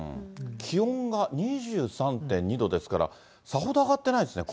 気温が２３．２度ですから、さほど上がってないですね。